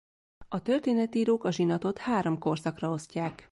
A történetírók a zsinatot három korszakra osztják.